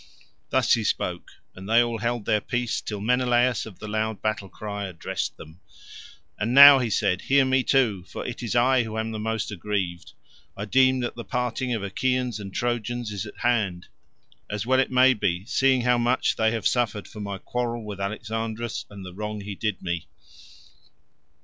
Thus he spoke, and they all held their peace, till Menelaus of the loud battle cry addressed them. "And now," he said, "hear me too, for it is I who am the most aggrieved. I deem that the parting of Achaeans and Trojans is at hand, as well it may be, seeing how much have suffered for my quarrel with Alexandrus and the wrong he did me.